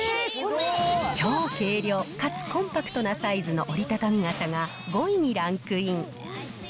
超軽量かつコンパクトなサイズの折りたたみ傘が５位にランクイン。